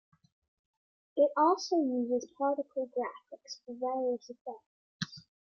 It also uses particle graphics for various effects.